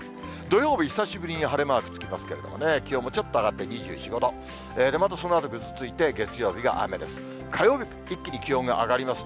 土曜日、久しぶりに晴れマークつきますけれどもね、気温もちょっと上がって、２４、５度、またそのあとぐずついて、月曜日が雨です。